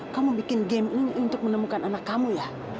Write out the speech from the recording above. kamu bikin game ini untuk menemukan anak kamu ya